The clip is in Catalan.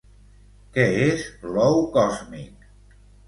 Què és l'ou còsmic?